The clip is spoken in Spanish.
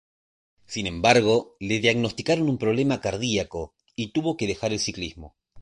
Sin embargo, le diagnosticaron un problema cardiaco y tuvo que dejar el ciclismo.